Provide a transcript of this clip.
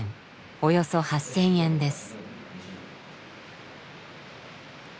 およそ８，０００円です。